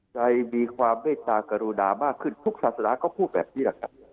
ใจมีความเมตตากรุณามากขึ้นทุกศาสนาก็พูดแบบนี้แหละครับ